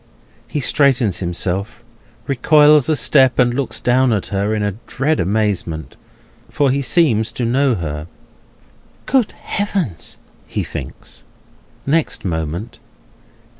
He straightens himself, recoils a step, and looks down at her in a dread amazement; for he seems to know her. "Good Heaven!" he thinks, next moment.